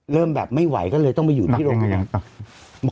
เริ่มแบบไม่ไหวก็เลยต้องไปอยู่ที่โรงพยาบาล